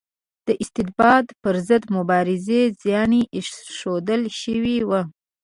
د استبداد پر ضد مبارزه زڼي ایښودل شوي وو.